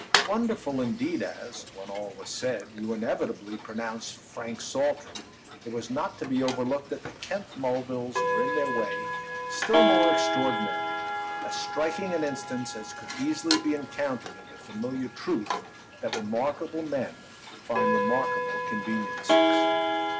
Wonderful indeed as, when all was said, you inevitably pronounced Frank Saltram, it was not to be overlooked that the Kent Mulvilles were in their way still more extraordinary: as striking an instance as could easily be encountered of the familiar truth that remarkable men find remarkable conveniences.